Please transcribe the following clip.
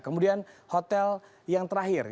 kemudian hotel yang terakhir